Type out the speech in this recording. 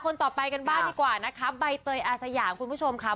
คนต่อไปกันบ้างดีกว่านะคะใบเตยอาสยามคุณผู้ชมค่ะ